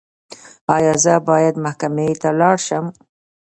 ایا زه باید محکمې ته لاړ شم؟